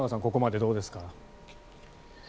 ここまでどうですか？